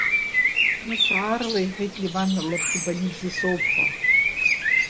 Нас аарла иҳәит Леван Лорҭқиԥаниӡе соуп ҳәа.